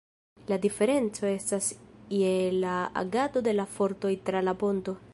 La diferenco estas je la agado de la fortoj tra la ponto.